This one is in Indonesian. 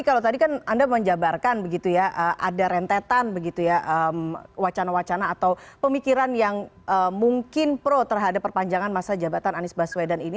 kalau tadi kan anda menjabarkan begitu ya ada rentetan begitu ya wacana wacana atau pemikiran yang mungkin pro terhadap perpanjangan masa jabatan anies baswedan ini